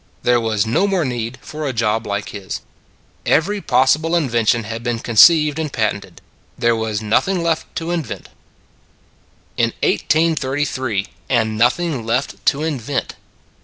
There was no more need for a job like his. Every possible invention had been con ceived and patented; there was nothing left to invent. In 1833 and nothing left to invent!